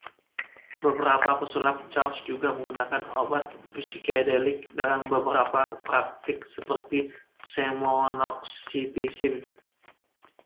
Beberapa pesulap chaos juga menggunakan obat psikedelik dalam beberapa praktik seperti chemognosticism.